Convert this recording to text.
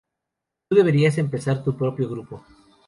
Tú deberías empezar tu propio grupo".